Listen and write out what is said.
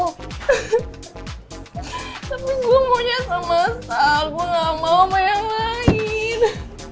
tapi gue maunya sama sal gue gak mau sama yang lain